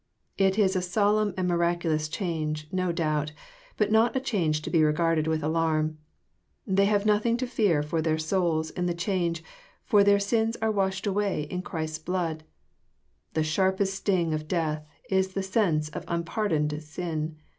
It is a solemn and miraculous change, no doulrt, but not a change to be regarded with alarm. They have nothing to fear for their souls in the change, for their sins are washed away in Christ's blood. The sharpest sting of death is the sense of unpardoned sin.